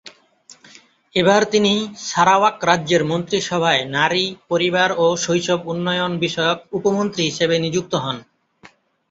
এবার তিনি সারাওয়াক রাজ্যের মন্ত্রিসভায় নারী, পরিবার ও শৈশব উন্নয়ন বিষয়ক উপমন্ত্রী হিসেবে নিযুক্ত হন।